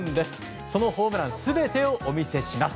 そのホームラン全てをお見せします。